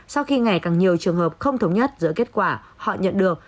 sau khi ngày càng nhiều trường hợp không thống nhất giữa kết quả họ nhận được